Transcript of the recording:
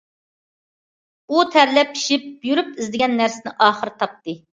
ئۇ تەرلەپ- پىشىپ يۈرۈپ ئىزدىگەن نەرسىسىنى ئاخىرى تاپتى.